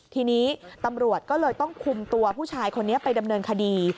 ทีนี้ตำรวจก็เลยต้องคุมตัวผู้ชายคนนี้ไปดำเนินคดี